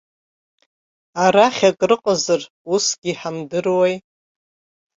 Арахь акрыҟазар усгьы иҳамдыруеи.